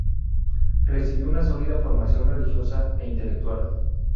Recibió una sólida formación religiosa e intelectual.